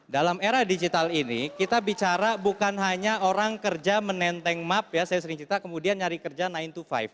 dalam era digital ini kita bicara bukan hanya orang kerja menenteng map ya saya sering cerita kemudian nyari kerja sembilan to lima